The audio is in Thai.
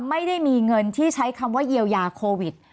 ไม่ได้มีเงินที่ใช้คำว่าเยียวยาโควิด